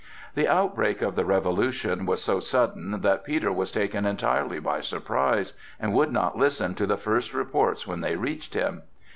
The outbreak of the revolution was so sudden that Peter was taken entirely by surprise, and would not listen to the first reports when they reached him.